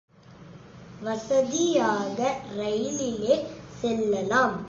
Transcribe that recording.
வசதியாக ரயிலிலே செல்லலாம்.